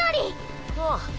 ああ。